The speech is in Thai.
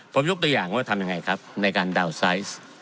ผมยกตัวอย่างว่าทำยังไงครับในการดาวน์ไซส์